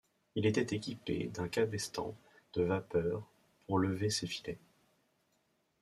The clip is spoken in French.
Il était équipé d'un cabestan de vapeur pour lever ses filets.